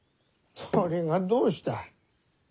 それがどうした？